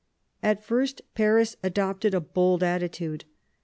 At first Paris adopted a bold atti tude.